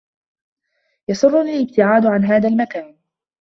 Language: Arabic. يسرّني الابتعاد عن هذا المكان.